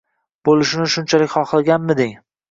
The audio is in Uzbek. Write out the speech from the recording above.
bo'lishini shunchalik xohlaganmiding!